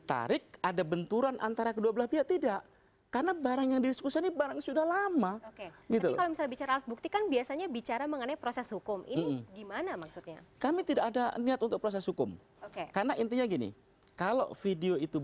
salin tuding antara yusril iza mahendra dan rizik syihab